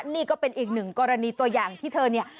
นี่ก็เป็นอีกหนึ่งกรณีตัวอย่างที่เธอเนี่ย